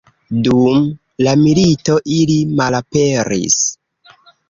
Dum la milito ili malaperis.